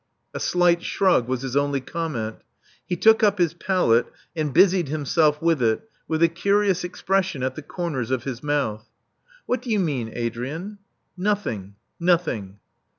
A slight shrug was his only comment. He took up his palette, and busied himself with it, with a curious expression at the comers of his mouth. What do you mean, Adrian?" '* Nothing. Nothing."